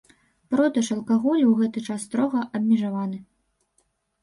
Продаж алкаголю ў гэты час строга абмежаваны.